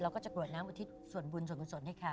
ก็จะกรวดน้ำอุทิศส่วนบุญส่วนกุศลให้เขา